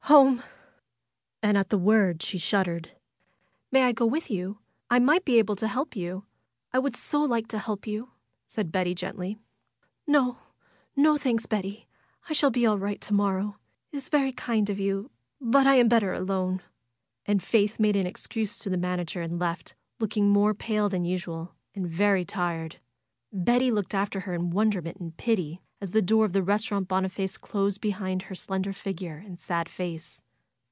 Home!" And at the word she shuddered. ^'May I go with you? I might be able to help you. I would so like to help you," said Betty gently. ^^No! No, thanks, Betty! I shall be all right to morrow. It is very kind of you ; but I am better alone." And Faith made an excuse to the manager and left, looking more pale than usual, and very tired. Betty looked after her in wonderment and pity as the door of the Kestaurant Boniface closed behind her slender figure and sad face.